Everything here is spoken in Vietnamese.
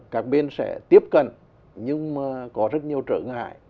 các bên sẽ tiếp cận nhưng mà có rất nhiều trở ngại